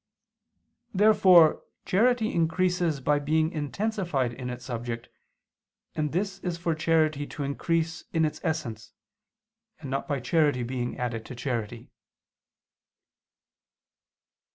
Therefore charity increases by being intensified in its subject, and this is for charity to increase in its essence; and not by charity being added to charity.